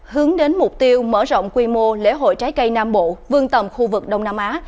hướng đến mục tiêu mở rộng quy mô lễ hội trái cây nam bộ vương tầm khu vực đông nam á